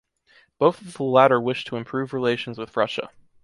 Both of the latter wish to improve relations with Russia.